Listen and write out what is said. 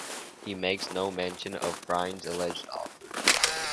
He makes no mention of Phryne's alleged offer.